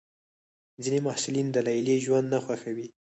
ځینې محصلین د لیلیې ژوند نه خوښوي.